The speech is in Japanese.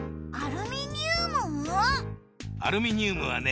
アルミニウムはね